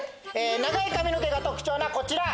長い髪の毛が特徴のこちら。